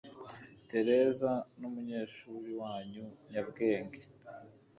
Tereza numunyeshuri wumu nyabwenge.